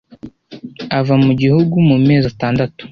Ava mu gihugu mu mezi atandatu.